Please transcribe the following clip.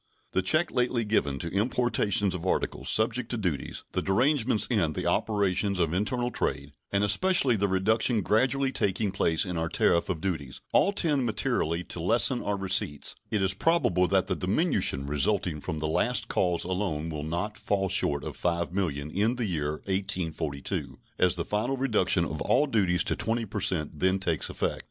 The check lately given to importations of articles subject to duties, the derangements in the operations of internal trade, and especially the reduction gradually taking place in our tariff of duties, all tend materially to lessen our receipts; indeed, it is probable that the diminution resulting from the last cause alone will not fall short of $5,000,000 in the year 1842, as the final reduction of all duties to 20 per cent then takes effect.